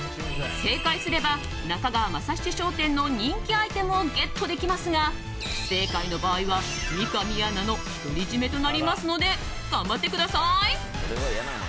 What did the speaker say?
正解すれば中川政七商店の人気アイテムをゲットできますが不正解の場合は三上アナの独り占めとなりますので頑張ってください。